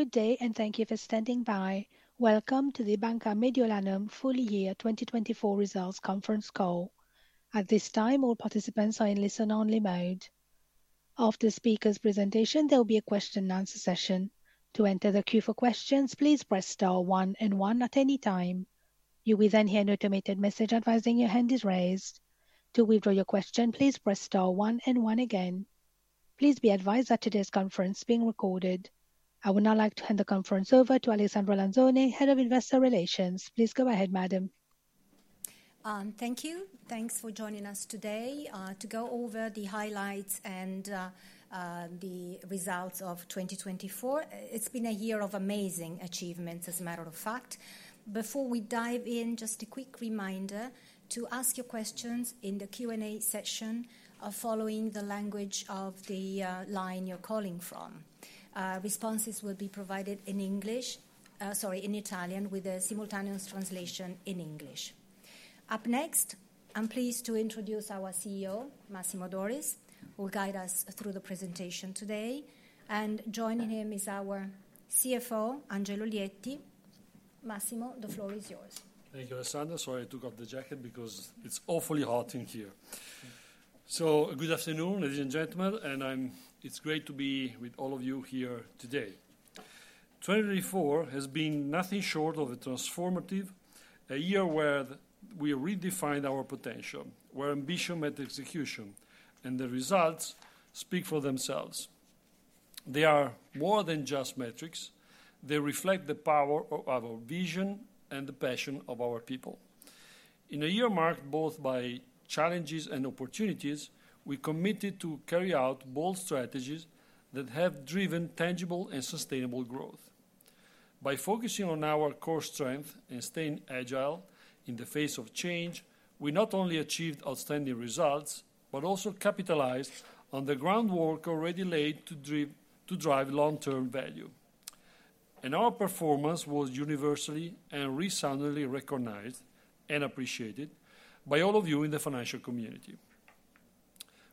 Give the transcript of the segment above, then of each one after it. Good day, and thank you for standing by. Welcome to the Banca Mediolanum Full Year 2024 Results Conference Call. At this time, all participants are in listen-only mode. After the speaker's presentation, there will be a question-and-answer session. To enter the queue for questions, please press star one and one at any time. You will then hear an automated message advising your hand is raised. To withdraw your question, please press star one and one again. Please be advised that today's conference is being recorded. I would now like to hand the conference over to Alessandra Lanzone, Head of Investor Relations. Please go ahead, madam. Thank you. Thanks for joining us today to go over the highlights and the results of 2024. It's been a year of amazing achievements, as a matter of fact. Before we dive in, just a quick reminder to ask your questions in the Q&A session following the language of the line you're calling from. Responses will be provided in English, sorry, in Italian, with a simultaneous translation in English. Up next, I'm pleased to introduce our CEO, Massimo Doris, who will guide us through the presentation today, and joining him is our CFO, Angelo Lietti. Massimo, the floor is yours. Thank you, Alessandra. Sorry, I took off the jacket because it's awfully hot in here. So good afternoon, ladies and gentlemen, and it's great to be with all of you here today. 2024 has been nothing short of a transformative year, where we redefined our potential, where ambition met execution, and the results speak for themselves. They are more than just metrics. They reflect the power of our vision and the passion of our people. In a year marked both by challenges and opportunities, we committed to carry out bold strategies that have driven tangible and sustainable growth. By focusing on our core strengths and staying agile in the face of change, we not only achieved outstanding results but also capitalized on the groundwork already laid to drive long-term value. And our performance was universally and resoundingly recognized and appreciated by all of you in the financial community.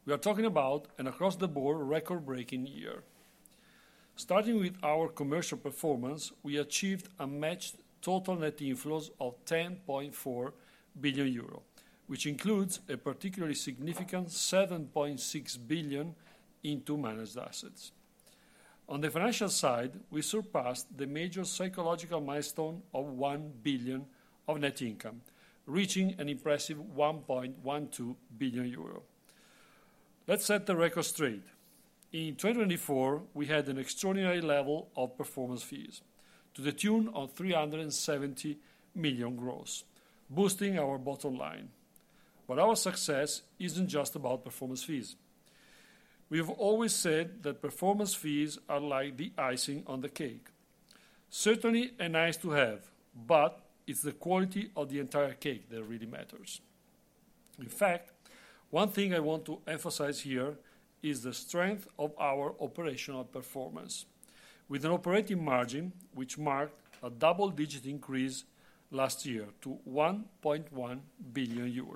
We are talking about an across-the-board record-breaking year. Starting with our commercial performance, we achieved a massive total net inflows of €10.4 billion, which includes a particularly significant €7.6 billion in our managed assets. On the financial side, we surpassed the major psychological milestone of €1 billion of net income, reaching an impressive €1.12 billion. Let's set the record straight. In 2024, we had an extraordinary level of performance fees, to the tune of €370 million gross, boosting our bottom line. But our success isn't just about performance fees. We have always said that performance fees are like the icing on the cake. Certainly a nice to have, but it's the quality of the entire cake that really matters. In fact, one thing I want to emphasize here is the strength of our operational performance, with an operating margin which marked a double-digit increase last year to €1.1 billion.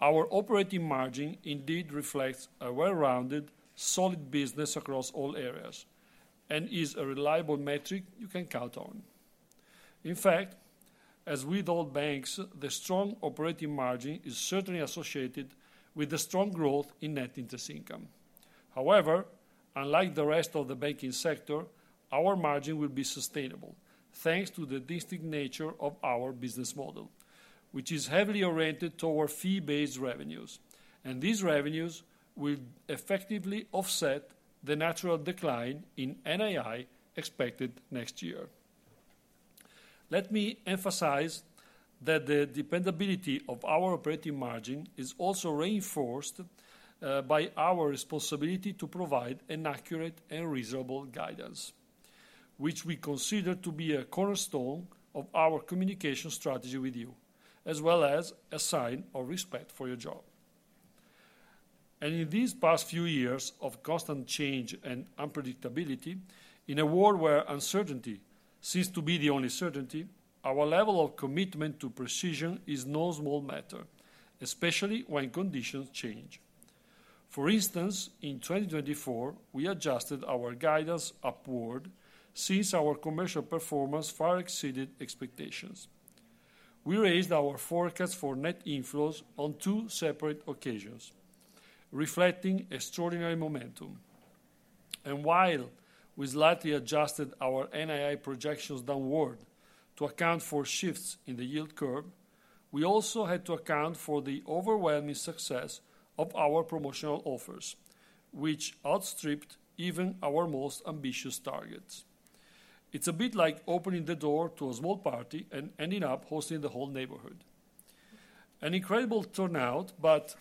Our operating margin indeed reflects a well-rounded, solid business across all areas and is a reliable metric you can count on. In fact, as with all banks, the strong operating margin is certainly associated with the strong growth in net interest income. However, unlike the rest of the banking sector, our margin will be sustainable thanks to the distinct nature of our business model, which is heavily oriented toward fee-based revenues, and these revenues will effectively offset the natural decline in NII expected next year. Let me emphasize that the dependability of our operating margin is also reinforced by our responsibility to provide an accurate and reasonable guidance, which we consider to be a cornerstone of our communication strategy with you, as well as a sign of respect for your job. In these past few years of constant change and unpredictability, in a world where uncertainty seems to be the only certainty, our level of commitment to precision is no small matter, especially when conditions change. For instance, in 2024, we adjusted our guidance upward since our commercial performance far exceeded expectations. We raised our forecast for net inflows on two separate occasions, reflecting extraordinary momentum. While we slightly adjusted our NII projections downward to account for shifts in the yield curve, we also had to account for the overwhelming success of our promotional offers, which outstripped even our most ambitious targets. It's a bit like opening the door to a small party and ending up hosting the whole neighborhood. An incredible turnout, but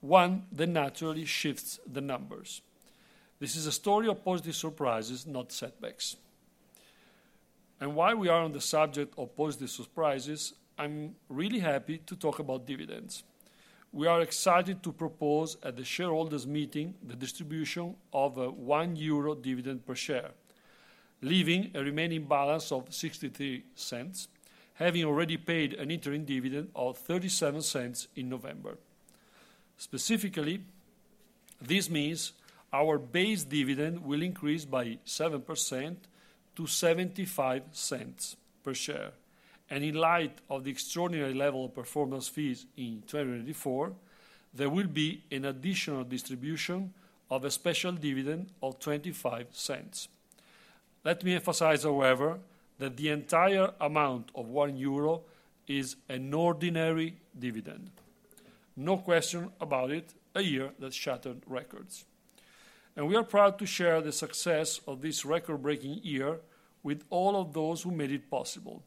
one that naturally shifts the numbers. This is a story of positive surprises, not setbacks. While we are on the subject of positive surprises, I'm really happy to talk about dividends. We are excited to propose at the shareholders' meeting the distribution of a 1 euro dividend per share, leaving a remaining balance of 0.63, having already paid an interim dividend of 0.37 in November. Specifically, this means our base dividend will increase by 7% to 0.75 per share. In light of the extraordinary level of performance fees in 2024, there will be an additional distribution of a special dividend of 0.25. Let me emphasize, however, that the entire amount of 1 euro is an ordinary dividend. No question about it, a year that shattered records. We are proud to share the success of this record-breaking year with all of those who made it possible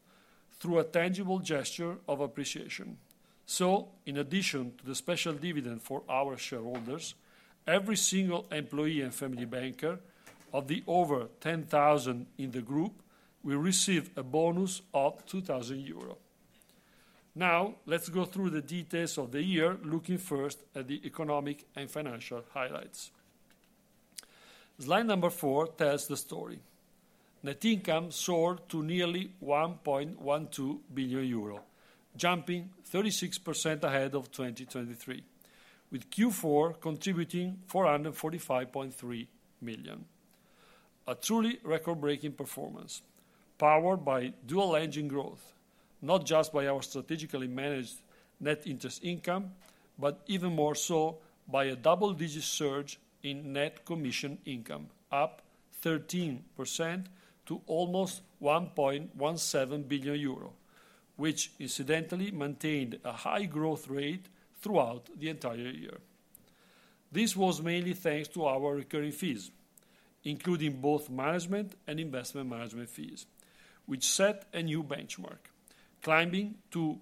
through a tangible gesture of appreciation. In addition to the special dividend for our shareholders, every single employee and Family Banker of the over 10,000 in the group will receive a bonus of 2,000 euro. Now, let's go through the details of the year, looking first at the economic and financial highlights. Slide number four tells the story. Net income soared to nearly 1.12 billion euro, jumping 36% ahead of 2023, with Q4 contributing 445.3 million. A truly record-breaking performance, powered by dual-engine growth, not just by our strategically managed net interest income, but even more so by a double-digit surge in net commission income, up 13% to almost 1.17 billion euro, which, incidentally, maintained a high growth rate throughout the entire year. This was mainly thanks to our recurring fees, including both management and investment management fees, which set a new benchmark, climbing to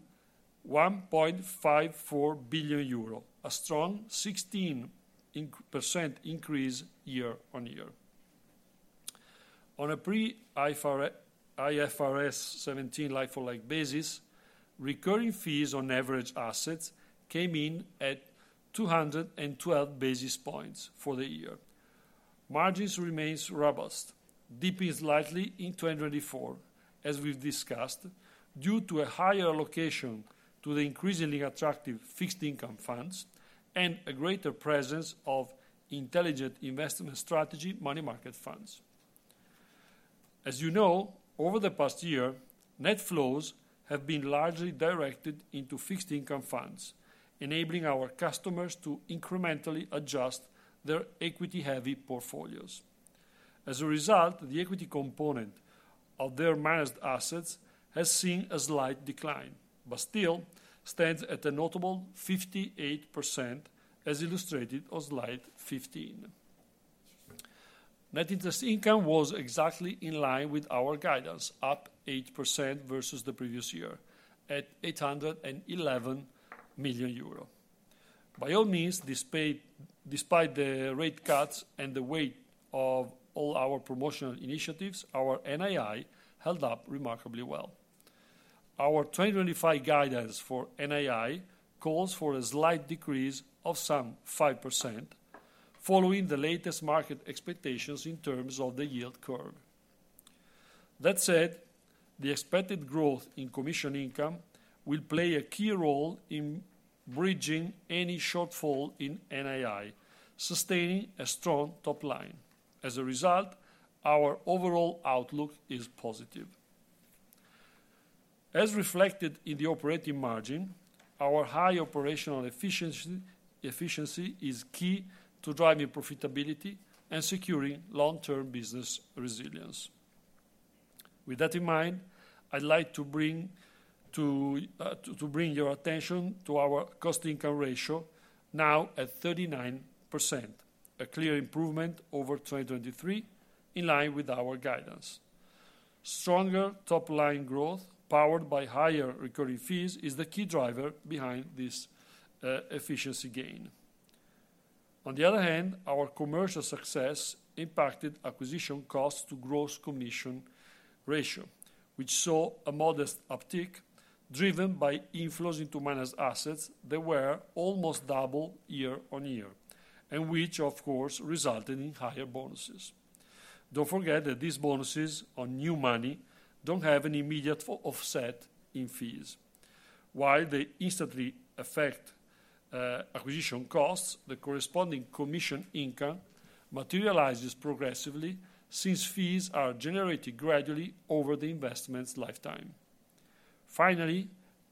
1.54 billion euro, a strong 16% increase year on year. On a pre-IFRS 17 life-only basis, recurring fees on average assets came in at 212 basis points for the year. Margins remained robust, dipping slightly in 2024, as we've discussed, due to a higher allocation to the increasingly attractive fixed income funds and a greater presence of Intelligent Investment Strategy money market funds. As you know, over the past year, net flows have been largely directed into fixed income funds, enabling our customers to incrementally adjust their equity-heavy portfolios. As a result, the equity component of their managed assets has seen a slight decline, but still stands at a notable 58%, as illustrated on Slide 15. Net interest income was exactly in line with our guidance, up 8% versus the previous year, at 811 million euro. By all means, despite the rate cuts and the weight of all our promotional initiatives, our NII held up remarkably well. Our 2025 guidance for NII calls for a slight decrease of some 5%, following the latest market expectations in terms of the yield curve. That said, the expected growth in commission income will play a key role in bridging any shortfall in NII, sustaining a strong top line. As a result, our overall outlook is positive. As reflected in the operating margin, our high operational efficiency is key to driving profitability and securing long-term business resilience. With that in mind, I'd like to bring your attention to our cost-to-income ratio, now at 39%, a clear improvement over 2023, in line with our guidance. Stronger top-line growth, powered by higher recurring fees, is the key driver behind this efficiency gain. On the other hand, our commercial success impacted acquisition costs to gross commission ratio, which saw a modest uptick driven by inflows into managed assets that were almost double year on year, and which, of course, resulted in higher bonuses. Don't forget that these bonuses on new money don't have an immediate offset in fees. While they instantly affect acquisition costs, the corresponding commission income materializes progressively since fees are generated gradually over the investment's lifetime. Finally,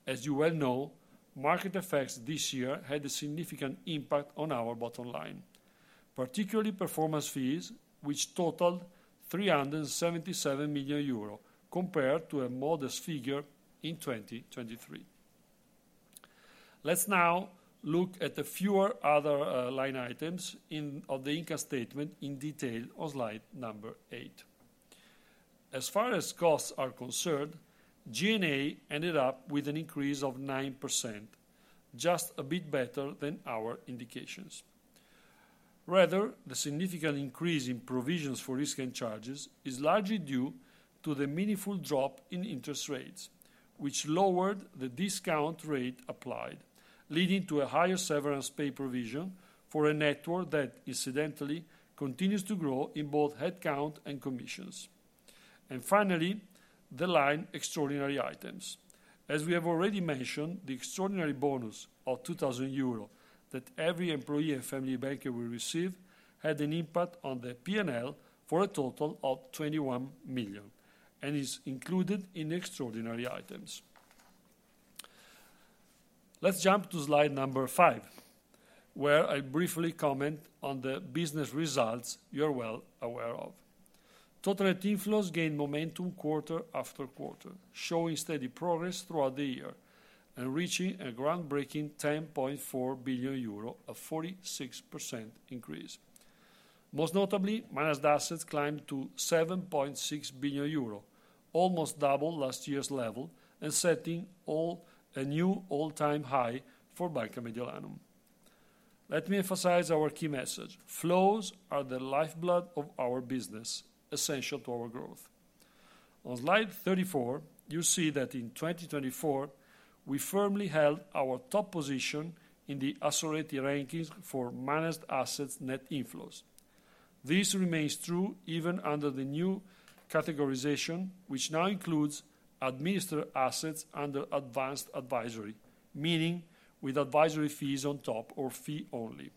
as you well know, market effects this year had a significant impact on our bottom line, particularly performance fees, which totaled €377 million, compared to a modest figure in 2023. Let's now look at a few other line items of the income statement in detail on Slide number eight. As far as costs are concerned, G&A ended up with an increase of 9%, just a bit better than our indications. Rather, the significant increase in provisions for risk and charges is largely due to the meaningful drop in interest rates, which lowered the discount rate applied, leading to a higher severance pay provision for a network that, incidentally, continues to grow in both headcount and commissions, and finally, the line extraordinary items. As we have already mentioned, the extraordinary bonus of €2,000 that every employee and Family Banker will receive had an impact on the P&L for a total of €21 million and is included in extraordinary items. Let's jump to Slide number five, where I'll briefly comment on the business results you're well aware of. Total net inflows gained momentum quarter after quarter, showing steady progress throughout the year and reaching a groundbreaking €10.4 billion, a 46% increase. Most notably, managed assets climbed to € 7.6 billion, almost double last year's level, and setting a new all-time high for Banca Mediolanum. Let me emphasize our key message: flows are the lifeblood of our business, essential to our growth. On Slide 34, you see that in 2024, we firmly held our top position in the Assoreti rankings for managed assets net inflows. This remains true even under the new categorization, which now includes administered assets under advanced advisory, meaning with advisory fees on top or fee only.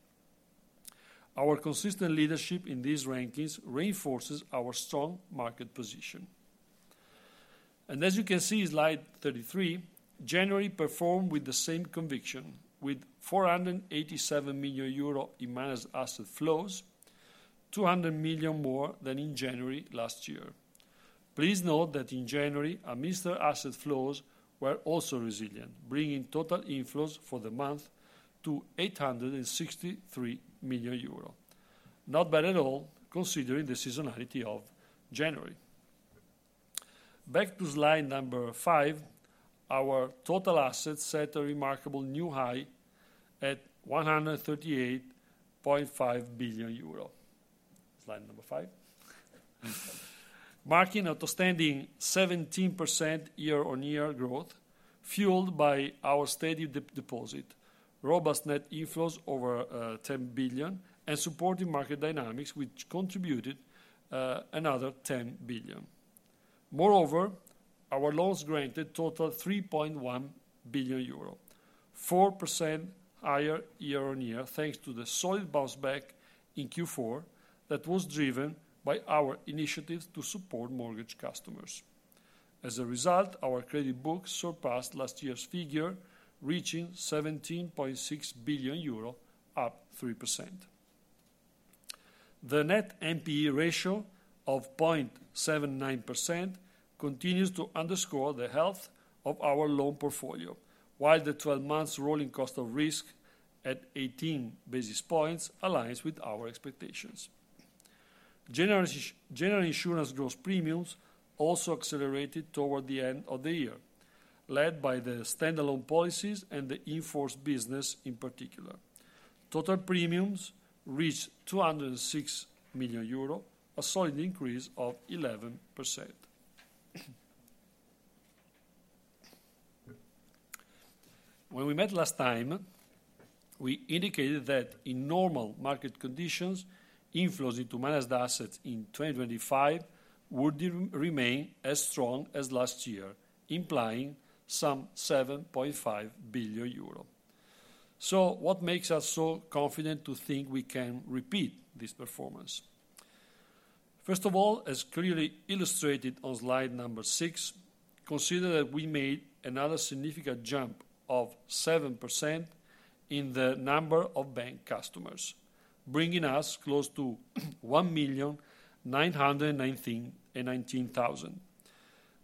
Our consistent leadership in these rankings reinforces our strong market position. And as you can see in Slide 33, January performed with the same conviction, with € 487 million in managed asset flows, € 200 million more than in January last year. Please note that in January, administered asset flows were also resilient, bringing total inflows for the month to € 863 million. Not bad at all, considering the seasonality of January. Back to Slide number five, our total assets set a remarkable new high at 138.5 billion euro. Slide number five, marking outstanding 17% year-on-year growth, fueled by our steady deposit, robust net inflows over 10 billion, and supporting market dynamics, which contributed another 10 billion. Moreover, our loans granted total 3.1 billion euro, 4% higher year-on-year, thanks to the solid bounce back in Q4 that was driven by our initiatives to support mortgage customers. As a result, our credit books surpassed last year's figure, reaching 17.6 billion euro, up 3%. The net NPE ratio of 0.79% continues to underscore the health of our loan portfolio, while the 12-month rolling cost of risk at 18 basis points aligns with our expectations. General insurance gross premiums also accelerated toward the end of the year, led by the standalone policies and the endowment business in particular. Total premiums reached €206 million, a solid increase of 11%. When we met last time, we indicated that in normal market conditions, inflows into managed assets in 2025 would remain as strong as last year, implying some €7.5 billion. So what makes us so confident to think we can repeat this performance? First of all, as clearly illustrated on Slide number six, consider that we made another significant jump of 7% in the number of bank customers, bringing us close to 1,919,000.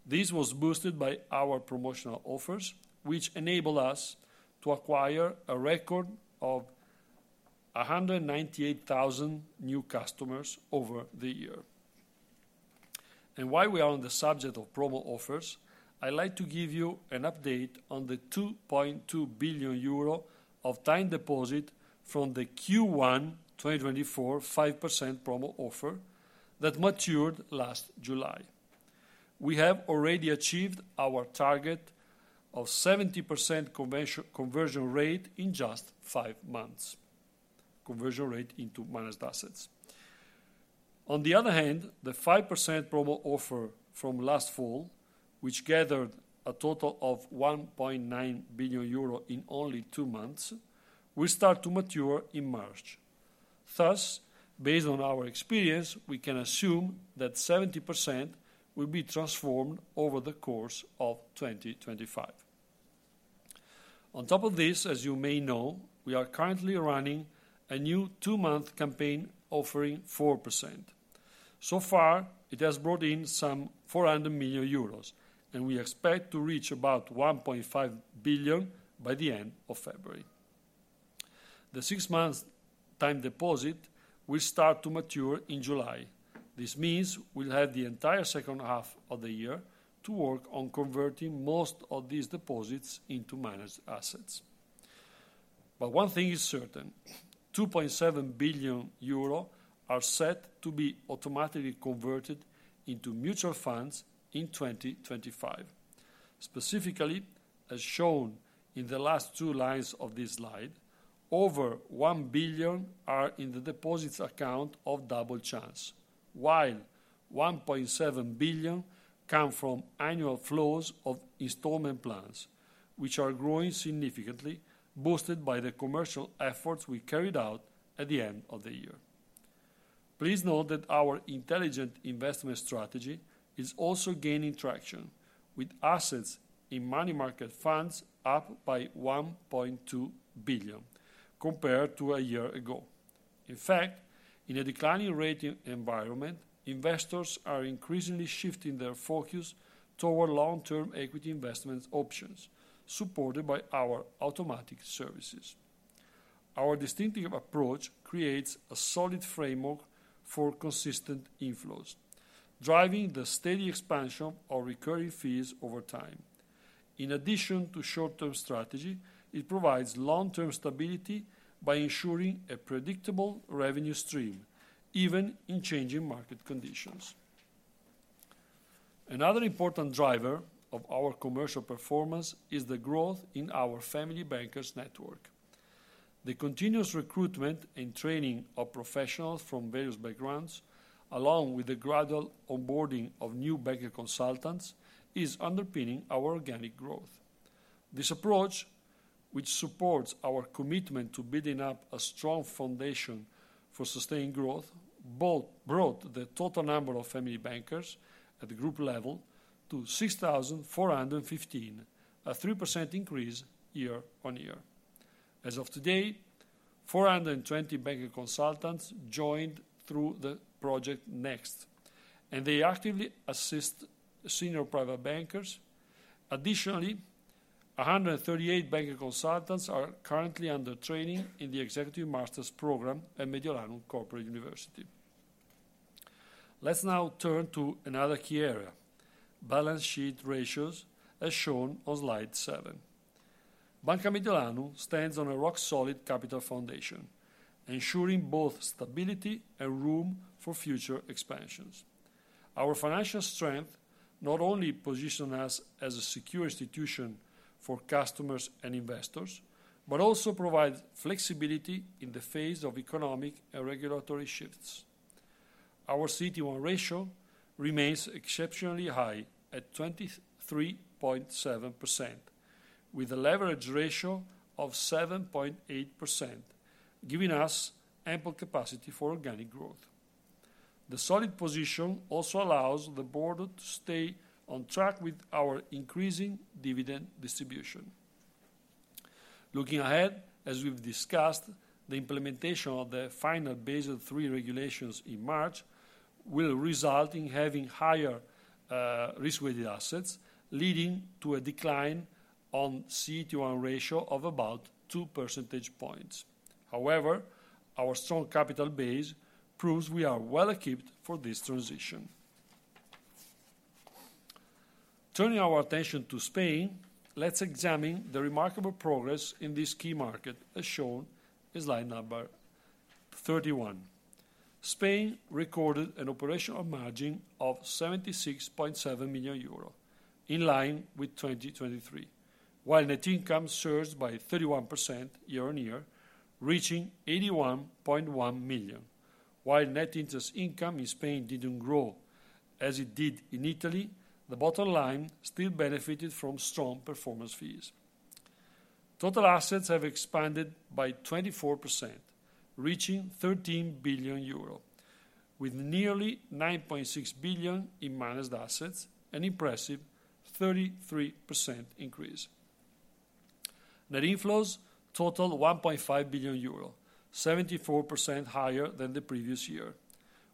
This was boosted by our promotional offers, which enabled us to acquire a record of 198,000 new customers over the year. And while we are on the subject of promo offers, I'd like to give you an update on the €2.2 billion of time deposit from the Q1 2024 5% promo offer that matured last July. We have already achieved our target of 70% conversion rate in just five months. Conversion rate into managed assets. On the other hand, the 5% promo offer from last fall, which gathered a total of €1.9 billion in only two months, will start to mature in March. Thus, based on our experience, we can assume that 70% will be transformed over the course of 2025. On top of this, as you may know, we are currently running a new two-month campaign offering 4%. So far, it has brought in some €400 million, and we expect to reach about €1.5 billion by the end of February. The six-month time deposit will start to mature in July. This means we'll have the entire second half of the year to work on converting most of these deposits into managed assets. But one thing is certain: €2.7 billion are set to be automatically converted into mutual funds in 2025. Specifically, as shown in the last two lines of this slide, over €1 billion are in the deposits account of Double Chance, while €1.7 billion come from annual flows of installment plans, which are growing significantly, boosted by the commercial efforts we carried out at the end of the year. Please note that our Intelligent Investment Strategy is also gaining traction, with assets in money market funds up by €1.2 billion, compared to a year ago. In fact, in a declining rating environment, investors are increasingly shifting their focus toward long-term equity investment options, supported by our automatic services. Our distinctive approach creates a solid framework for consistent inflows, driving the steady expansion of recurring fees over time. In addition to short-term strategy, it provides long-term stability by ensuring a predictable revenue stream, even in changing market conditions. Another important driver of our commercial performance is the growth in our Family Bankers network. The continuous recruitment and training of professionals from various backgrounds, along with the gradual onboarding of new Banker Consultants, is underpinning our organic growth. This approach, which supports our commitment to building up a strong foundation for sustained growth, brought the total number of Family Bankers at the group level to 6,415, a 3% increase year-on-year. As of today, 420 Banker Consultants joined through Project NEXT, and they actively assist senior private bankers. Additionally, 138 Banker Consultants are currently under training in the Executive Masters program at Mediolanum Corporate University. Let's now turn to another key area: balance sheet ratios, as shown on Slide 7. Banca Mediolanum stands on a rock-solid capital foundation, ensuring both stability and room for future expansions. Our financial strength not only positions us as a secure institution for customers and investors, but also provides flexibility in the face of economic and regulatory shifts. Our CET1 ratio remains exceptionally high at 23.7%, with a leverage ratio of 7.8%, giving us ample capacity for organic growth. The solid position also allows the board to stay on track with our increasing dividend distribution. Looking ahead, as we've discussed, the implementation of the final Basel III regulations in March will result in having higher risk-weighted assets, leading to a decline in CET1 ratio of about 2 percentage points. However, our strong capital base proves we are well equipped for this transition. Turning our attention to Spain, let's examine the remarkable progress in this key market, as shown in Slide number 31. Spain recorded an operational margin of €76.7 million in line with 2023, while net income surged by 31% year-on-year, reaching €81.1 million. While net interest income in Spain didn't grow as it did in Italy, the bottom line still benefited from strong performance fees. Total assets have expanded by 24%, reaching €13 billion, with nearly €9.6 billion in managed assets, an impressive 33% increase. Net inflows total €1.5 billion, 74% higher than the previous year,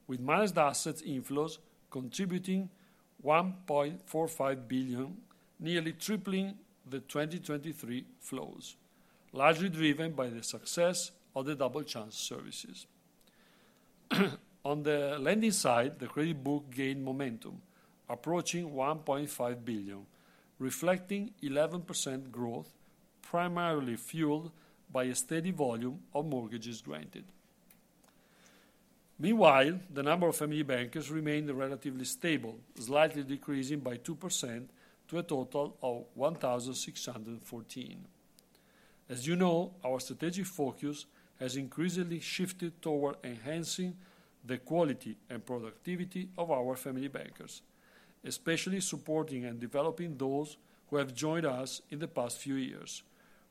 with managed assets inflows contributing €1.45 billion, nearly tripling the 2023 flows, largely driven by the success of the Double Chance services. On the lending side, the credit book gained momentum, approaching €1.5 billion, reflecting 11% growth, primarily fueled by a steady volume of mortgages granted. Meanwhile, the number of Family Bankers remained relatively stable, slightly decreasing by 2% to a total of 1,614. As you know, our strategic focus has increasingly shifted toward enhancing the quality and productivity of our Family Bankers, especially supporting and developing those who have joined us in the past few years,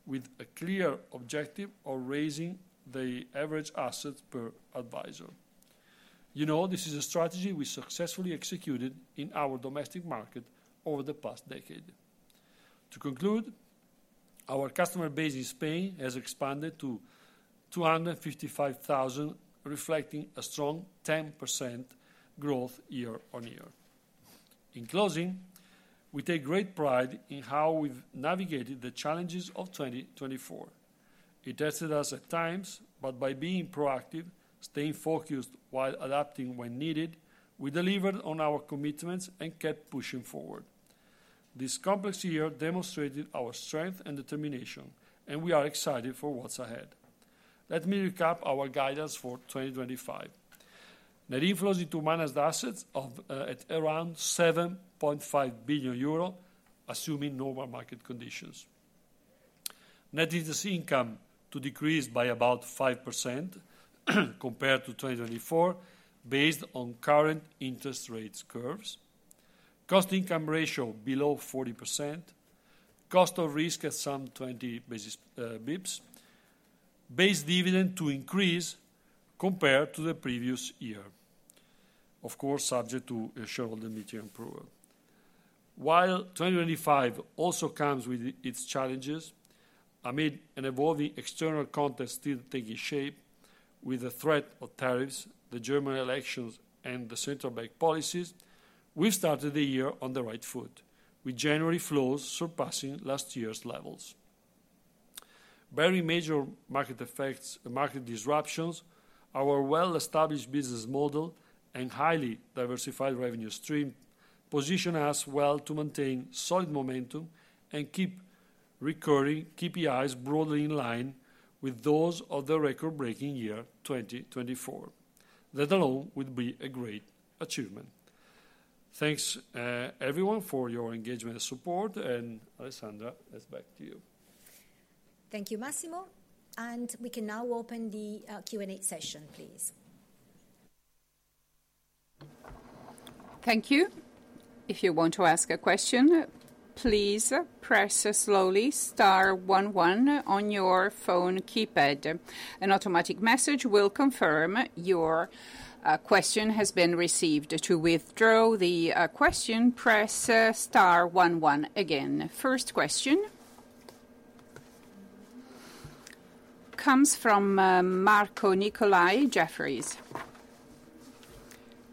with a clear objective of raising the average asset per advisor. You know, this is a strategy we successfully executed in our domestic market over the past decade. To conclude, our customer base in Spain has expanded to €255,000, reflecting a strong 10% growth year-on-year. In closing, we take great pride in how we've navigated the challenges of 2024. It tested us at times, but by being proactive, staying focused, while adapting when needed, we delivered on our commitments and kept pushing forward. This complex year demonstrated our strength and determination, and we are excited for what's ahead. Let me recap our guidance for 2025. Net inflows into managed assets are at around €7.5 billion, assuming normal market conditions. Net interest income decreased by about 5% compared to 2024, based on current interest rate curves. Cost-to-income ratio is below 40%. Cost of risk at some 20 basis points. Base dividend to increase compared to the previous year, of course, subject to a shareholder meeting approval. While 2025 also comes with its challenges, amid an evolving external context still taking shape, with the threat of tariffs, the German elections, and the central bank policies, we've started the year on the right foot, with January flows surpassing last year's levels. Bearing major market effects and market disruptions, our well-established business model and highly diversified revenue stream position us well to maintain solid momentum and keep recurring KPIs broadly in line with those of the record-breaking year 2024. That alone would be a great achievement. Thanks, everyone, for your engagement and support. And, Alessandra, it's back to you. Thank you, Massimo. And we can now open the Q&A session, please. Thank you. If you want to ask a question, please press slowly star 11 on your phone keypad. An automatic message will confirm your question has been received. To withdraw the question, press star 11 again. First question comes from Marco Nicolai, Jefferies.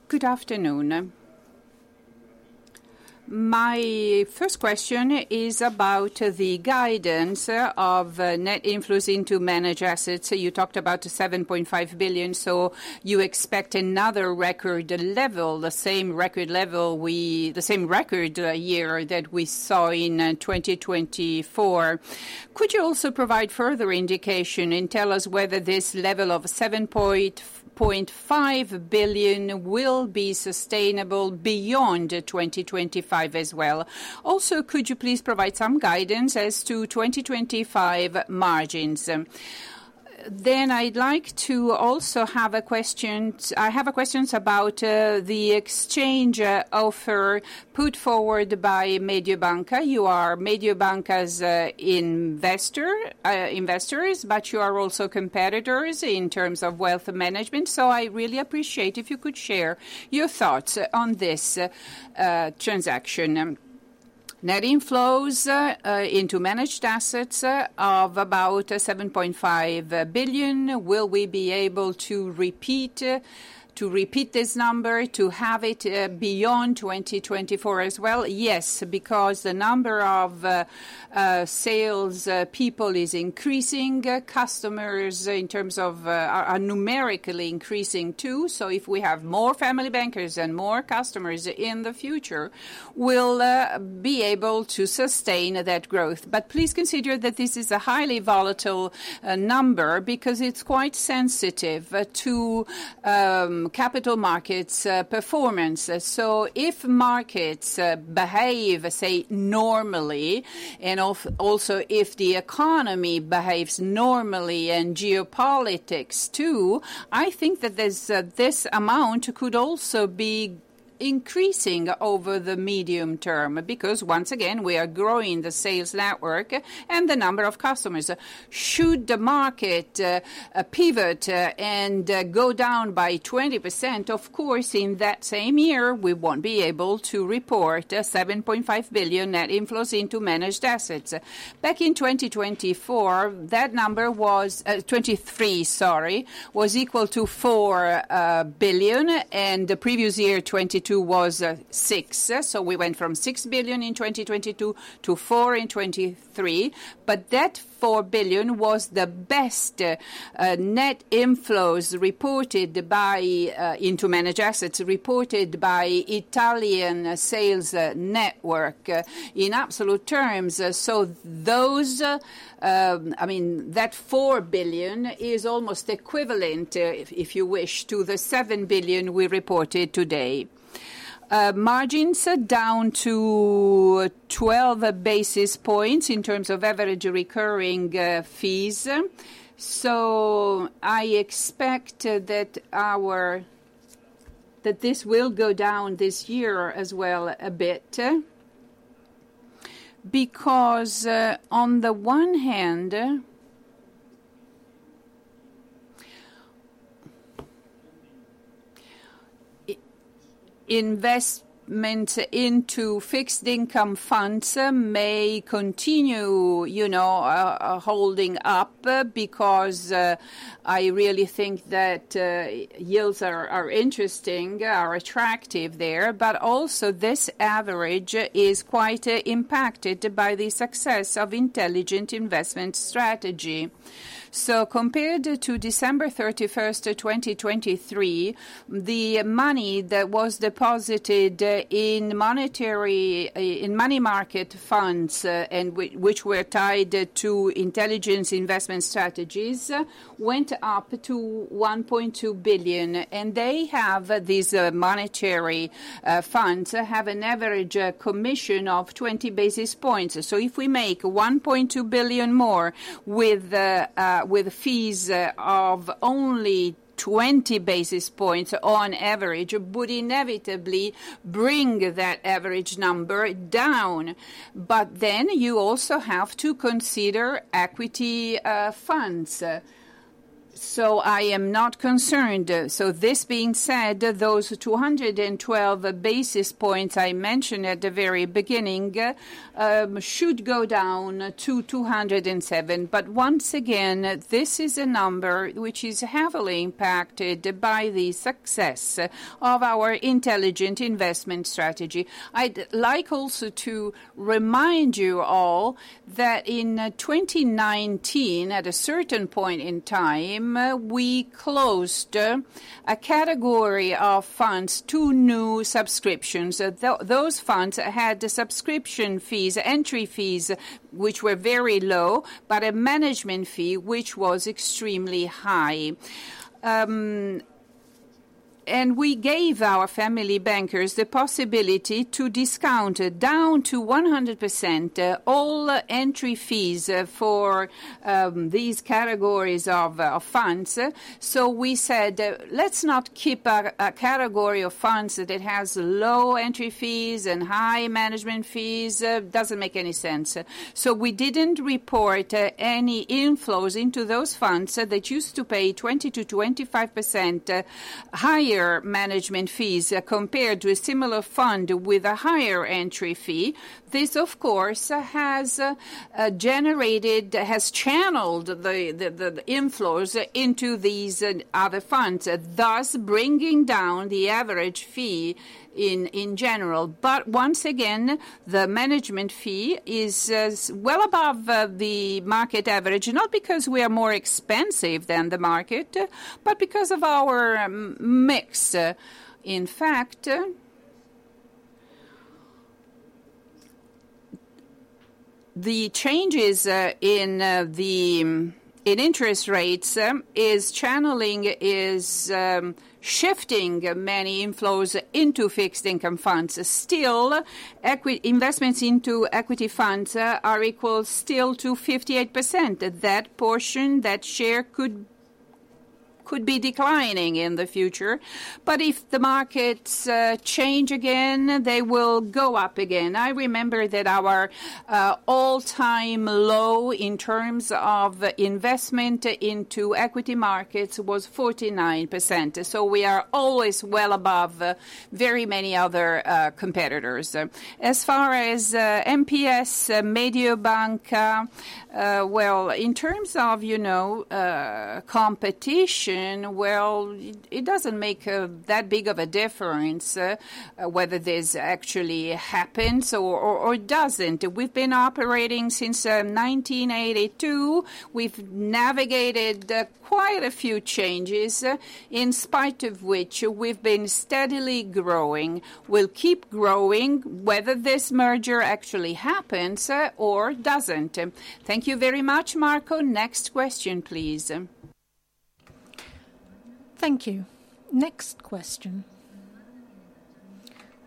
Good afternoon. My first question is about the guidance of net inflows into managed assets. You talked about €7.5 billion, so you expect another record level, the same record level, the same record year that we saw in 2024. Could you also provide further indication and tell us whether this level of €7.5 billion will be sustainable beyond 2025 as well? Also, could you please provide some guidance as to 2025 margins? Then I'd like to also have a question. I have questions about the exchange offer put forward by Mediolanum. You are Mediolanum's investors, but you are also competitors in terms of wealth management. So I really appreciate if you could share your thoughts on this transaction. Net inflows into managed assets of about 7.5 billion. Will we be able to repeat this number, to have it beyond 2024 as well? Yes, because the number of salespeople is increasing. Customers, in terms of, are numerically increasing too. So if we have more Family Bankers and more customers in the future, we'll be able to sustain that growth. But please consider that this is a highly volatile number because it's quite sensitive to capital markets' performance. If markets behave, say, normally, and also if the economy behaves normally and geopolitics too, I think that this amount could also be increasing over the medium term because, once again, we are growing the sales network and the number of customers. Should the market pivot and go down by 20%, of course, in that same year, we won't be able to report €7.5 billion net inflows into managed assets. Back in 2024, that number was 23, sorry, was equal to €4 billion, and the previous year, 2022, was 6. So we went from €6 billion in 2022 to 4 in 2023. But that €4 billion was the best net inflows reported by into managed assets reported by the Italian sales network in absolute terms. So those, I mean, that €4 billion is almost equivalent, if you wish, to the €7 billion we reported today. Margins down to 12 basis points in terms of average recurring fees. So I expect that this will go down this year as well a bit because, on the one hand, investment into fixed income funds may continue, you know, holding up because I really think that yields are interesting, are attractive there. But also, this average is quite impacted by the success of Intelligent Investment Strategy. So compared to December 31, 2023, the money that was deposited in money market funds, which were tied to Intelligent Investment Strategy, went up to €1.2 billion. And these monetary funds have an average commission of 20 basis points. So if we make €1.2 billion more with fees of only 20 basis points on average, it would inevitably bring that average number down. But then you also have to consider equity funds. So I am not concerned. So this being said, those 212 basis points I mentioned at the very beginning should go down to 207. But once again, this is a number which is heavily impacted by the success of our Intelligent Investment Strategy. I'd like also to remind you all that in 2019, at a certain point in time, we closed a category of funds to new subscriptions. Those funds had subscription fees, entry fees, which were very low, but a management fee which was extremely high. And we gave our Family Bankers the possibility to discount down to 100% all entry fees for these categories of funds. So we said, let's not keep a category of funds that has low entry fees and high management fees. It doesn't make any sense. We didn't report any inflows into those funds that used to pay 20%-25% higher management fees compared to a similar fund with a higher entry fee. This, of course, has channeled the inflows into these other funds, thus bringing down the average fee in general. But once again, the management fee is well above the market average, not because we are more expensive than the market, but because of our mix. In fact, the changes in interest rates is shifting many inflows into fixed income funds. Still, equity investments into equity funds are equal still to 58%. That portion, that share could be declining in the future. But if the markets change again, they will go up again. I remember that our all-time low in terms of investment into equity markets was 49%. So we are always well above very many other competitors. As far as MPS, Mediolanum, well, in terms of, you know, competition, well, it doesn't make that big of a difference whether this actually happens or doesn't. We've been operating since 1982. We've navigated quite a few changes, in spite of which we've been steadily growing. We'll keep growing whether this merger actually happens or doesn't. Thank you very much, Marco. Next question, please. Thank you. Next question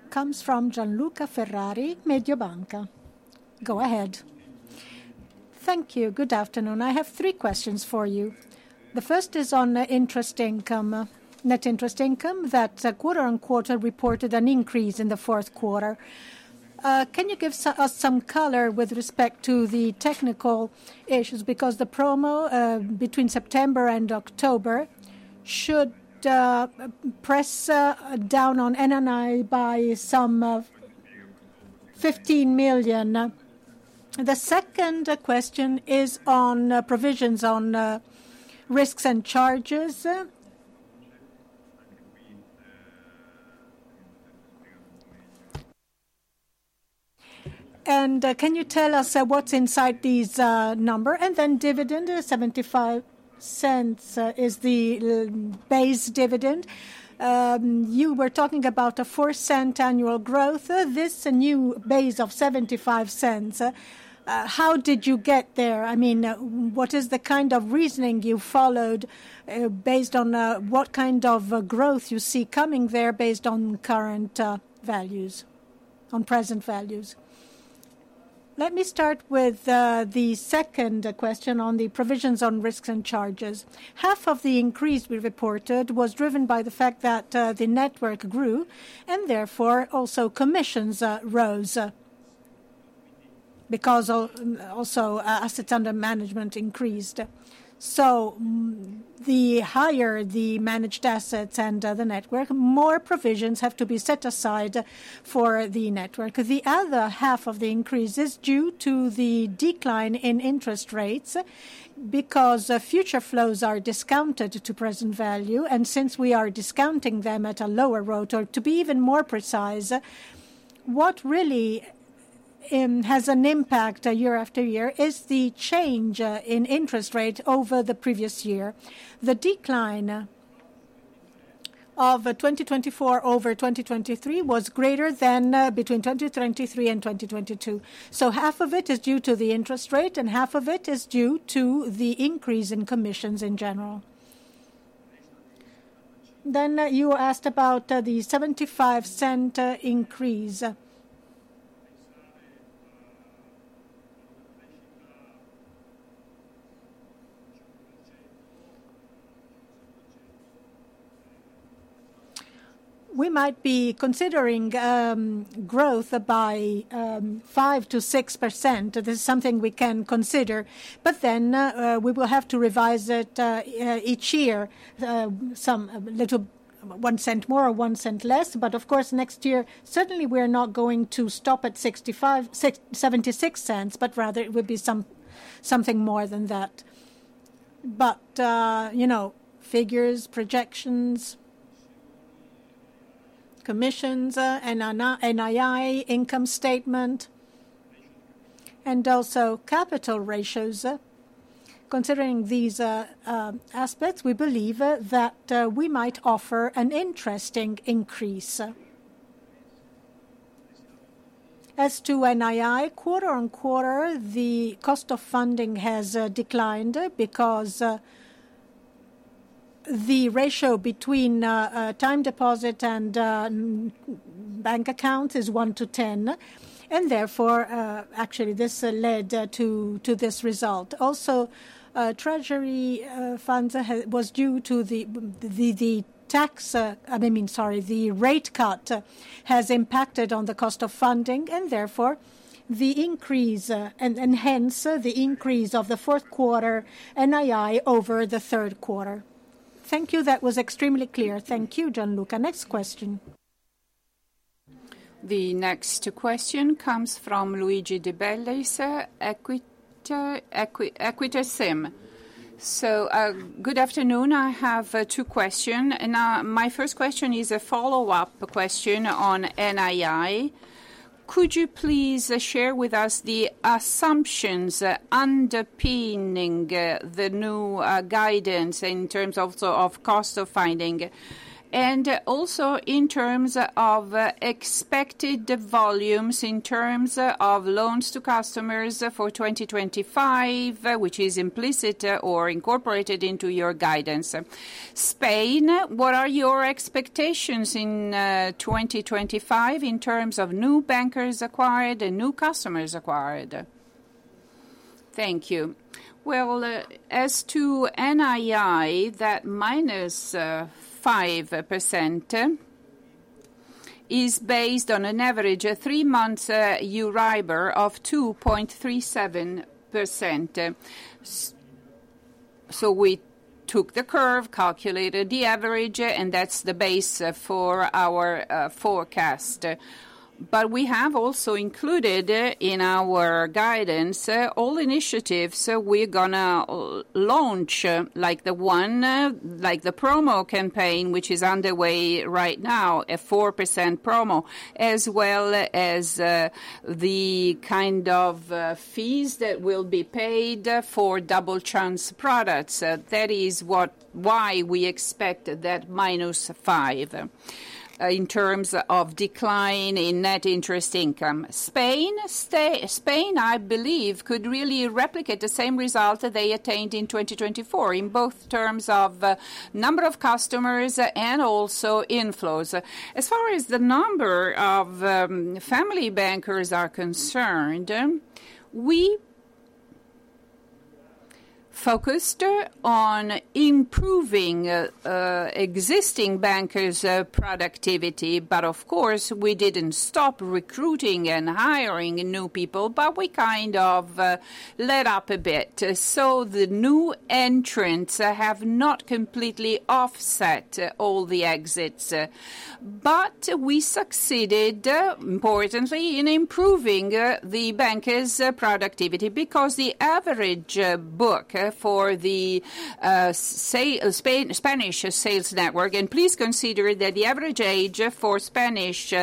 comes from Gianluca Ferrari, Mediobanca. Go ahead. Thank you. Good afternoon. I have three questions for you. The first is on net interest income that quarter on quarter reported an increase in the fourth quarter. Can you give us some color with respect to the technical issues? Because the promo between September and October should press down on NII by some 15 million. The second question is on provisions on risks and charges. And can you tell us what's inside these numbers? And then dividend, 0.75 is the base dividend. You were talking about a 0.04 annual growth. This new base of 0.75, how did you get there? I mean, what is the kind of reasoning you followed based on what kind of growth you see coming there based on current values, on present values? Let me start with the second question on the provisions on risks and charges. Half of the increase we reported was driven by the fact that the network grew and therefore also commissions rose because also assets under management increased. So the higher the managed assets and the network, more provisions have to be set aside for the network. The other half of the increase is due to the decline in interest rates because future flows are discounted to present value. Since we are discounting them at a lower rate, to be even more precise, what really has an impact year after year is the change in interest rate over the previous year. The decline of 2024 over 2023 was greater than between 2023 and 2022. So half of it is due to the interest rate and half of it is due to the increase in commissions in general. Then you were asked about the €0.75 increase. We might be considering growth by 5%-6%. This is something we can consider. But then we will have to revise it each year, some little €0.01 more or €0.01 less. But of course, next year, certainly we are not going to stop at €0.76, but rather it would be something more than that. But, you know, figures, projections, commissions, NNI income statement, and also capital ratios. Considering these aspects, we believe that we might offer an interesting increase. As to NII, quarter on quarter, the cost of funding has declined because the ratio between time deposit and bank account is 1 to 10. Therefore, actually, this led to this result. Also, treasury funds was due to the tax, I mean, sorry, the rate cut has impacted on the cost of funding. Therefore, the increase and hence the increase of the fourth quarter NII over the third quarter. Thank you. That was extremely clear. Thank you, Gianluca. Next question. The next question comes from Luigi de Bellis, Equita SIM. So good afternoon. I have two questions. My first question is a follow-up question on NII. Could you please share with us the assumptions underpinning the new guidance in terms of cost of funding and also in terms of expected volumes in terms of loans to customers for 2025, which is implicit or incorporated into your guidance? Spain, what are your expectations in 2025 in terms of new bankers acquired and new customers acquired? Thank you. Well, as to NII, that minus 5% is based on an average three-month Euribor of 2.37%. So we took the curve, calculated the average, and that's the base for our forecast. But we have also included in our guidance all initiatives we're going to launch, like the promo campaign, which is underway right now, a 4% promo, as well as the kind of fees that will be paid for Double Chance products. That is why we expect that minus 5% in terms of decline in net interest income. Spain, I believe, could really replicate the same result they attained in 2024 in both terms of number of customers and also inflows. As far as the number of Family Bankers are concerned, we focused on improving existing bankers' productivity. But of course, we didn't stop recruiting and hiring new people, but we kind of let up a bit. So the new entrants have not completely offset all the exits. But we succeeded, importantly, in improving the bankers' productivity because the average book for the Spanish sales network, and please consider that the average age for Spanish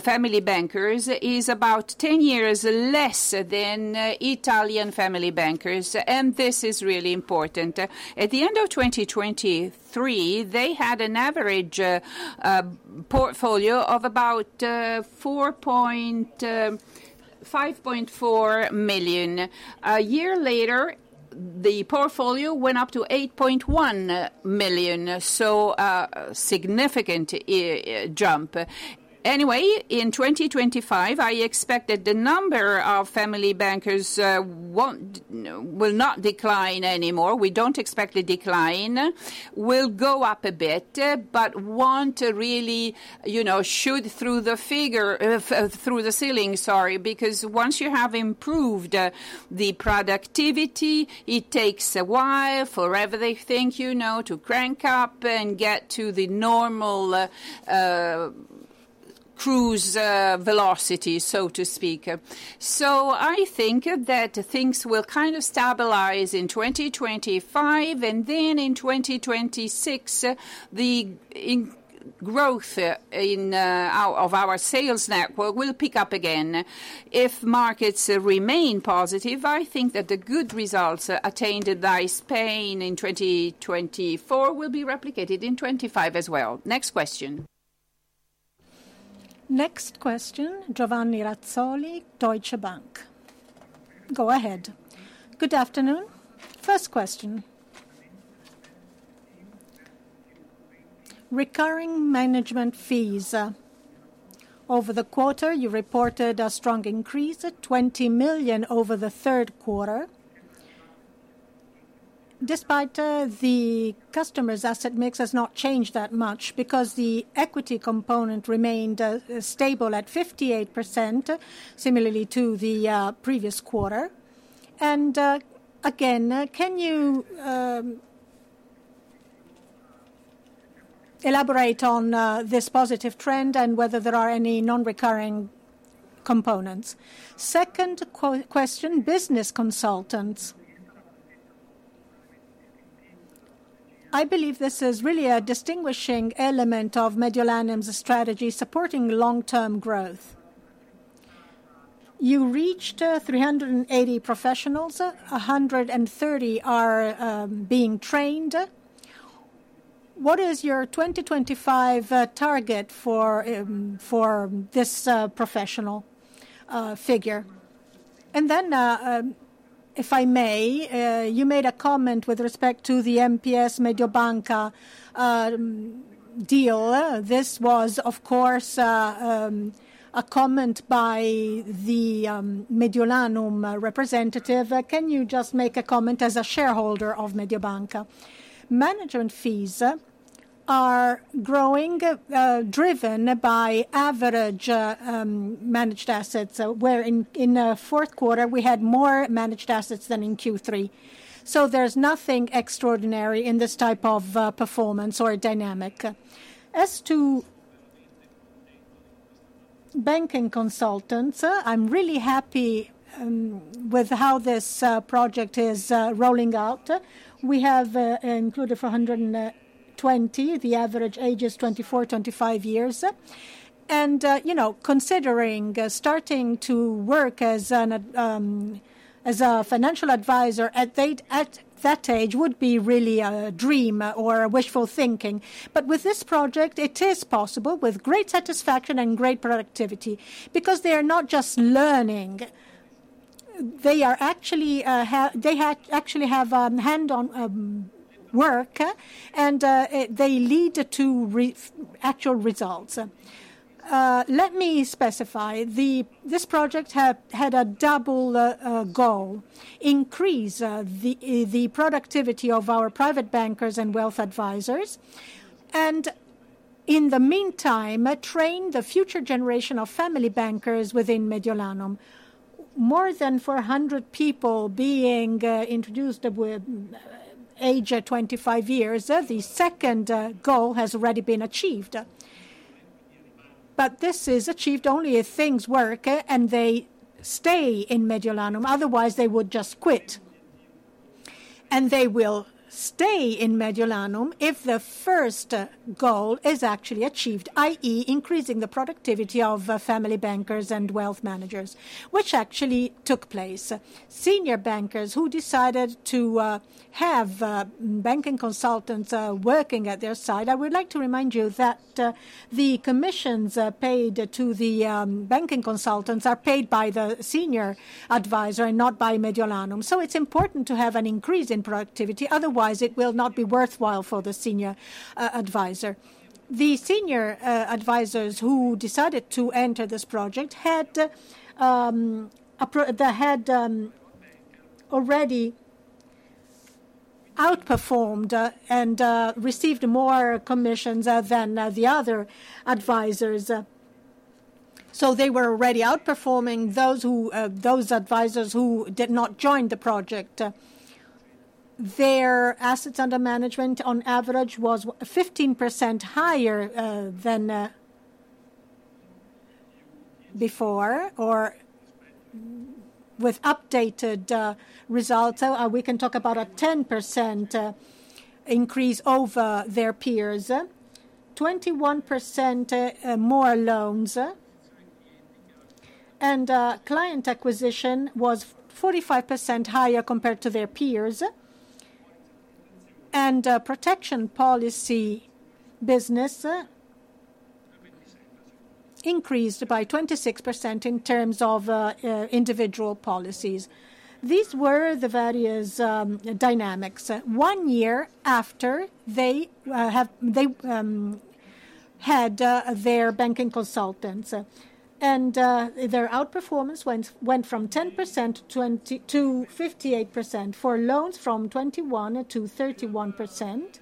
Family Bankers is about 10 years less than Italian Family Bankers. And this is really important. At the end of 2023, they had an average portfolio of about €5.4 million. A year later, the portfolio went up to €8.1 million. So a significant jump. Anyway, in 2025, I expect that the number of Family Bankers will not decline anymore. We don't expect the decline. We'll go up a bit, but want to really, you know, shoot through the figure, through the ceiling, sorry, because once you have improved the productivity, it takes a while, forever they think, you know, to crank up and get to the normal cruise velocity, so to speak. So I think that things will kind of stabilize in 2025, and then in 2026, the growth of our sales network will pick up again. If markets remain positive, I think that the good results attained by Spain in 2024 will be replicated in 2025 as well. Next question. Next question, Giovanni Razzoli, Deutsche Bank. Go ahead. Good afternoon. First question. Recurring management fees. Over the quarter, you reported a strong increase at €20 million over the third quarter. Despite the customers' asset mix has not changed that much because the equity component remained stable at 58%, similarly to the previous quarter. And again, can you elaborate on this positive trend and whether there are any non-recurring components? Second question, Banker Consultants. I believe this is really a distinguishing element of Mediolanum's strategy supporting long-term growth. You reached 380 professionals. 130 are being trained. What is your 2025 target for this professional figure? And then, if I may, you made a comment with respect to the MPS Mediolanum deal. This was, of course, a comment by the Mediolanum representative. Can you just make a comment as a shareholder of Mediolanum? Management fees are growing driven by average managed assets, where in the fourth quarter, we had more managed assets than in Q3. So there's nothing extraordinary in this type of performance or dynamic. As to banking consultants, I'm really happy with how this project is rolling out. We have included 420. The average age is 24, 25 years, and you know, considering starting to work as a financial advisor at that age would be really a dream or a wishful thinking, but with this project, it is possible with great satisfaction and great productivity because they are not just learning. They actually have hands-on work, and they lead to actual results. Let me specify. This project had a double goal: increase the productivity of our private bankers and wealth advisors, and in the meantime, train the future generation of Family Bankers within Mediolanum. More than 400 people being introduced with age 25 years. The second goal has already been achieved, but this is achieved only if things work and they stay in Mediolanum. Otherwise, they would just quit. They will stay in Mediolanum if the first goal is actually achieved, i.e., increasing the productivity of Family Bankers and wealth managers, which actually took place. Senior bankers who decided to have Banker Consultants working at their side. I would like to remind you that the commissions paid to the Banker Consultants are paid by the senior advisor and not by Mediolanum. So it's important to have an increase in productivity. Otherwise, it will not be worthwhile for the senior advisor. The senior advisors who decided to enter this project had already outperformed and received more commissions than the other advisors. So they were already outperforming those advisors who did not join the project. Their assets under management, on average, was 15% higher than before or with updated results. We can talk about a 10% increase over their peers, 21% more loans, and client acquisition was 45% higher compared to their peers, and protection policy business increased by 26% in terms of individual policies. These were the various dynamics. One year after, they had their Banker Consultants, and their outperformance went from 10% to 58% for loans from 21% to 31%,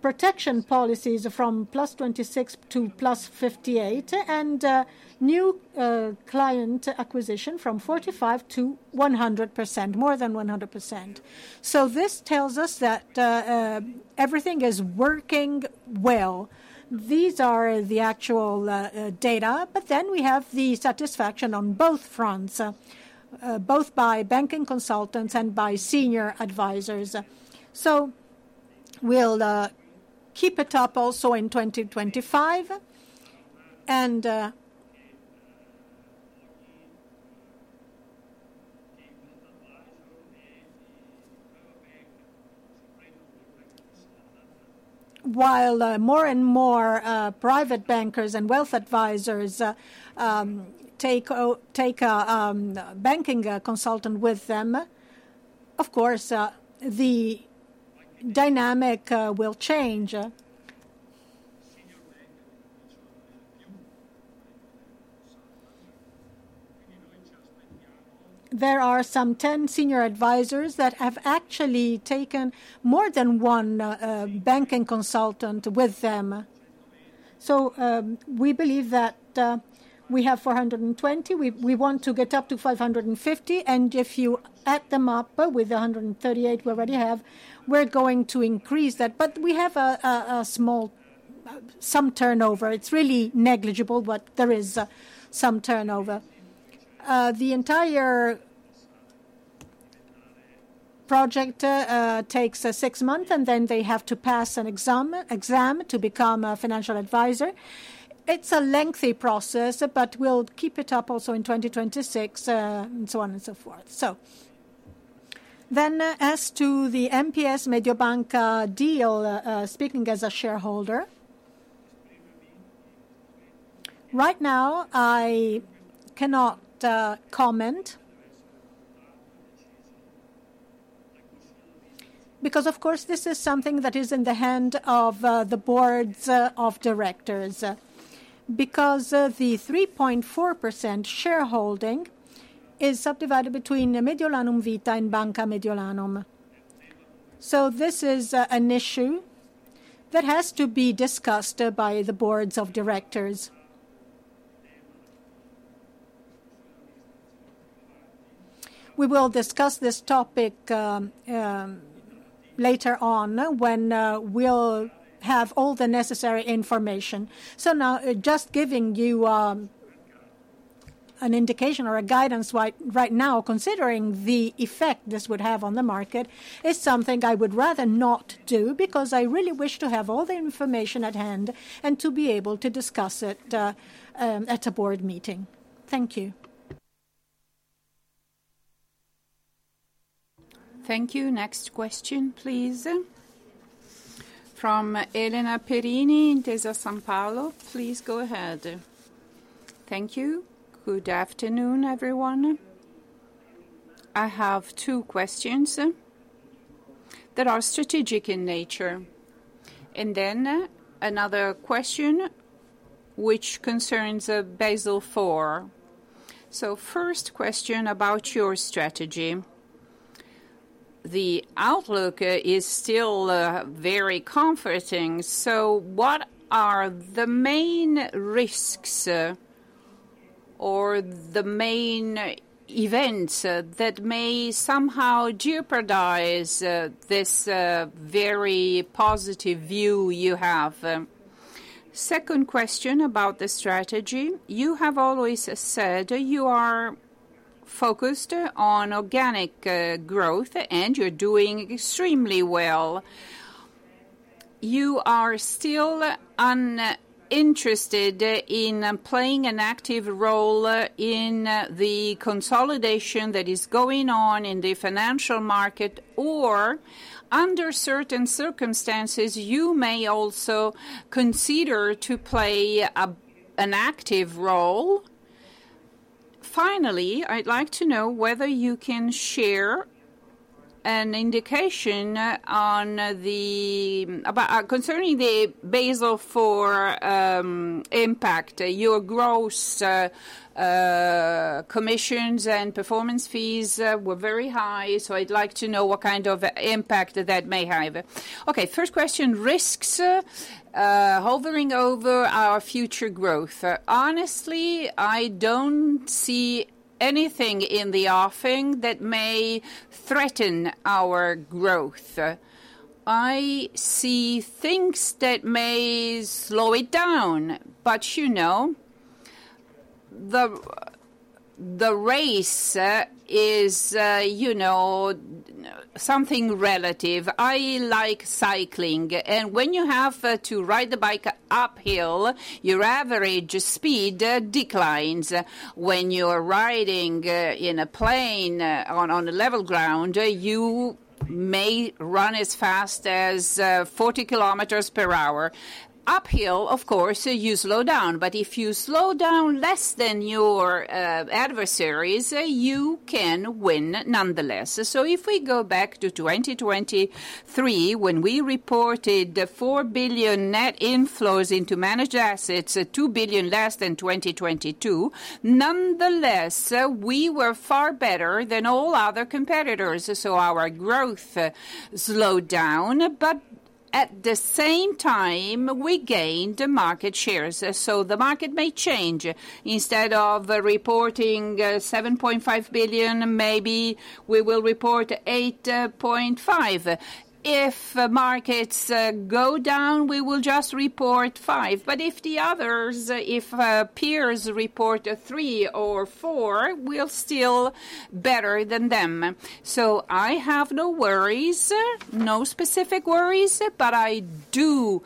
protection policies from plus 26% to plus 58%, and new client acquisition from 45% to 100%, more than 100%, so this tells us that everything is working well. These are the actual data, but then we have the satisfaction on both fronts, both by Banker Consultants and by senior advisors, so we'll keep it up also in 2025. And while more and more private bankers and wealth advisors take a Banker Consultant with them, of course, the dynamic will change. There are some 10 senior advisors that have actually taken more than one banking consultant with them. So we believe that we have 420. We want to get up to 550. And if you add them up with 138 we already have, we're going to increase that. But we have some turnover. It's really negligible. But there is some turnover. The entire project takes six months, and then they have to pass an exam to become a financial advisor. It's a lengthy process, but we'll keep it up also in 2026 and so on and so forth. So then as to the MPS Mediolanum deal, speaking as a shareholder, right now I cannot comment because, of course, this is something that is in the hands of the boards of directors because the 3.4% shareholding is subdivided between Mediolanum Vita and Banca Mediolanum. So this is an issue that has to be discussed by the boards of directors. We will discuss this topic later on when we'll have all the necessary information. So now, just giving you an indication or a guidance right now, considering the effect this would have on the market, is something I would rather not do because I really wish to have all the information at hand and to be able to discuss it at a board meeting. Thank you. Thank you. Next question, please. From Elena Perini in Intesa Sanpaolo. Please go ahead. Thank you. Good afternoon, everyone. I have two questions that are strategic in nature. And then another question which concerns Basel IV. So first question about your strategy. The outlook is still very comforting. So what are the main risks or the main events that may somehow jeopardize this very positive view you have? Second question about the strategy. You have always said you are focused on organic growth, and you're doing extremely well. You are still interested in playing an active role in the consolidation that is going on in the financial market, or under certain circumstances, you may also consider playing an active role. Finally, I'd like to know whether you can share an indication concerning the Basel IV impact. Your gross commissions and performance fees were very high, so I'd like to know what kind of impact that may have. Okay, first question, risks hovering over our future growth. Honestly, I don't see anything in the offing that may threaten our growth. I see things that may slow it down, but you know, the race is, you know, something relative. I like cycling, and when you have to ride the bike uphill, your average speed declines. When you're riding in a plane on level ground, you may run as fast as 40 km per hour. Uphill, of course, you slow down, but if you slow down less than your adversaries, you can win nonetheless. So if we go back to 2023, when we reported €4 billion net inflows into managed assets, €2 billion less than 2022, nonetheless, we were far better than all other competitors. So our growth slowed down, but at the same time, we gained market shares. So the market may change. Instead of reporting €7.5 billion, maybe we will report €8.5 billion. If markets go down, we will just report €5 billion. But if the others, if peers report €3 billion or €4 billion, we'll still be better than them. I have no worries, no specific worries, but I do,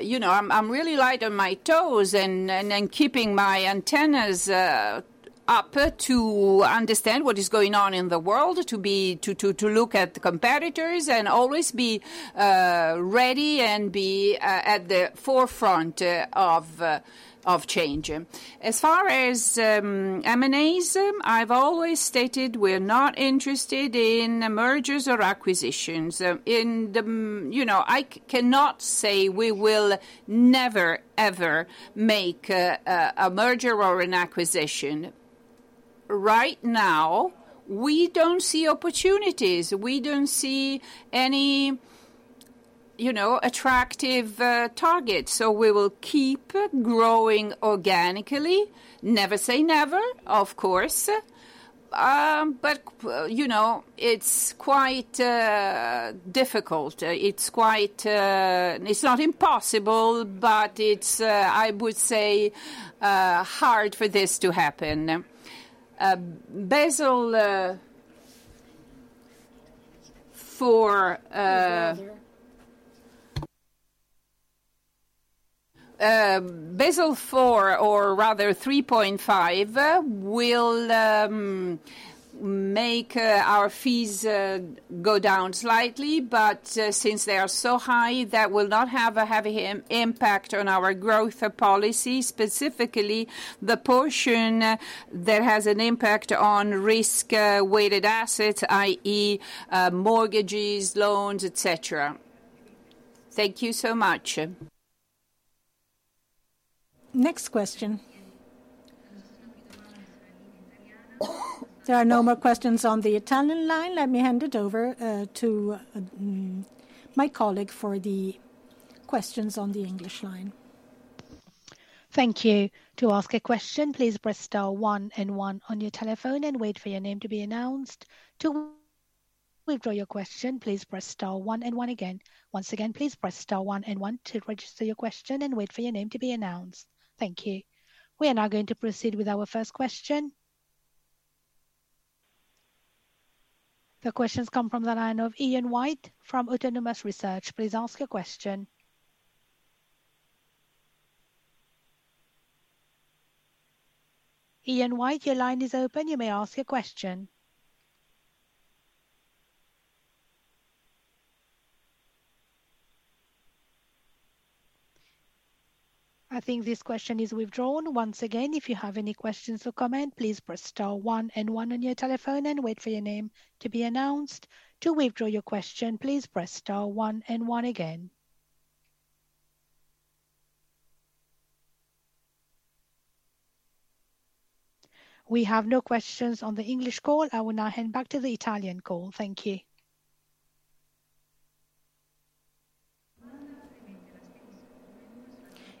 you know, I'm really light on my toes and keeping my antennas up to understand what is going on in the world, to look at competitors and always be ready and be at the forefront of change. As far as M&As, I've always stated we're not interested in mergers or acquisitions. You know, I cannot say we will never, ever make a merger or an acquisition. Right now, we don't see opportunities. We don't see any, you know, attractive targets. So we will keep growing organically. Never say never, of course. But, you know, it's quite difficult. It's not impossible, but it's, I would say, hard for this to happen. Basel IV, Basel IV, or rather 3.5, will make our fees go down slightly, but since they are so high, that will not have a heavy impact on our growth policy, specifically the portion that has an impact on risk-weighted assets, i.e., mortgages, loans, etc. Thank you so much. Next question. There are no more questions on the Italian line. Let me hand it over to my colleague for the questions on the English line. Thank you. To ask a question, please press star one and one on your telephone and wait for your name to be announced. To withdraw your question, please press star one and one again. Once again, please press star one and one to register your question and wait for your name to be announced. Thank you. We are now going to proceed with our first question. The questions come from the line of Ian White from Autonomous Research. Please ask your question. Ian White, your line is open. You may ask your question. I think this question is withdrawn. Once again, if you have any questions or comments, please press star one and one on your telephone and wait for your name to be announced. To withdraw your question, please press star one and one again. We have no questions on the English call. I will now hand back to the Italian call. Thank you.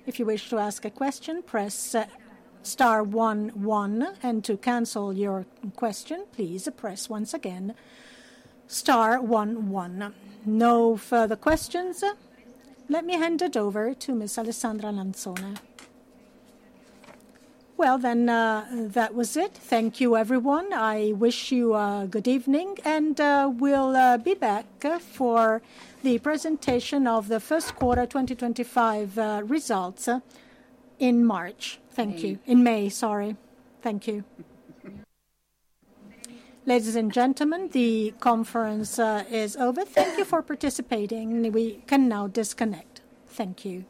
If you wish to ask a question, press star one one. And to cancel your question, please press once again star one one. No further questions. Let me hand it over to Miss Alessandra Lanzone. Well, then that was it. Thank you, everyone. I wish you a good evening and we'll be back for the presentation of the first quarter 2025 results in March. Thank you. In May, sorry. Thank you. Ladies and gentlemen, the conference is over. Thank you for participating. We can now disconnect. Thank you.